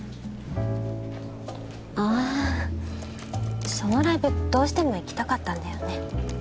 あそのライブどうしても行きたかったんだよね？